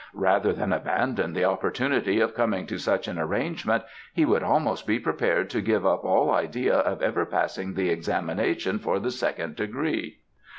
Rather than abandon the opportunity of coming to such an arrangement he would almost be prepared to give up all idea of ever passing the examination for the second degree."